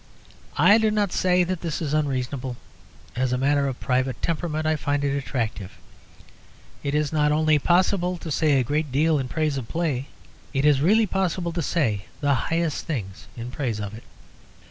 I do not say that this is unreasonable; as a matter of private temperament I find it attractive. It is not only possible to say a great deal in praise of play; it is really possible to say the highest things in praise of it.